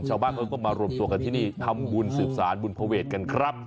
ชาวบ้านเขาก็มารวมตัวกันที่นี่ทำบุญสืบสารบุญภเวทกันครับ